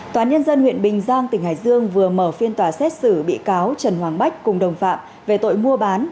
tòa nhân dân huyện bình giang tỉnh hải dương vừa mở phiên tòa xét xử bị cáo trần hoàng bách cùng đồng phạm về tội mua bán